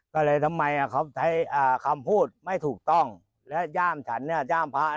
ก็เลยทำไมเขาใช้คำพูดไม่ถูกต้องและย่ามฉันเนี่ยย่ามพระ